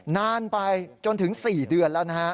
นานไปจนถึง๔เดือนแล้วนะเหรอค่ะ